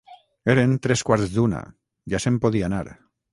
Eren tres quarts d'una; ja se'n podia anar.